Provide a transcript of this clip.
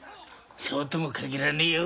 そうとは限らねえよ。